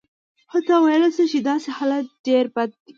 حتی ویلای شو چې داسې حالت ډېر بد دی.